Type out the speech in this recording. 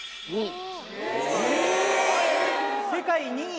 世界２位？